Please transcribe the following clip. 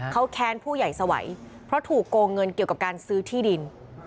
เขาแค้นผู้ใหญ่สวัยเพราะถูกโกงเงินเกี่ยวกับการซื้อที่ดิน